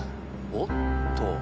おっと。